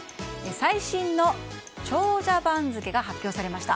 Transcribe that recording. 最新の長者番付が発表されました。